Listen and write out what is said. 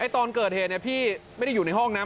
ตอนเกิดเหตุพี่ไม่ได้อยู่ในห้องนะ